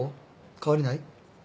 変わりない？